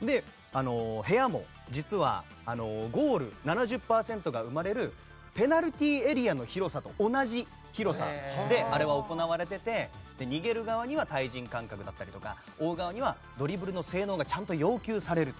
部屋も実はゴール７０％が生まれるペナルティーエリアの広さと同じ広さであれは行われていて逃げる側には対人感覚だったり追う側にはドリブルの性能がちゃんと要求される。